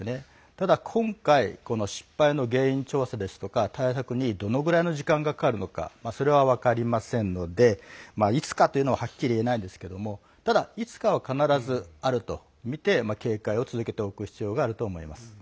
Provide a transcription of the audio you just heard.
ただ、今回この失敗の原因調査ですとか対策にどのぐらいの時間がかかるのかそれは分かりませんのでいつかというのははっきり言えないんですけどもただ、いつかは必ずあるとみて警戒を続けておく必要があると思います。